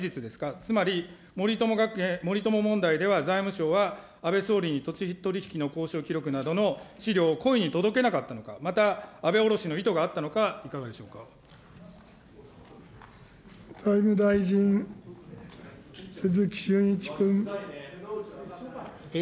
つまり森友学園、森友問題では財務省は安倍総理に土地取り引きの交渉記録などの資料を故意に届けなかったのか、また安倍おろしの意図があったのか、財務大臣、鈴木俊一君。